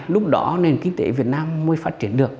lúc đó nền kinh tế việt nam mới phát triển được